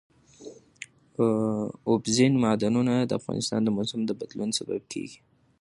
اوبزین معدنونه د افغانستان د موسم د بدلون سبب کېږي.